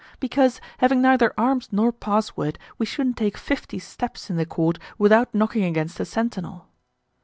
"Because, having neither arms nor password, we shouldn't take fifty steps in the court without knocking against a sentinel."